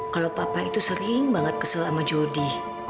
kalau papa itu sering banget kesel sama jody